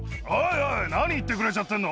おい、何言ってくれちゃってるの。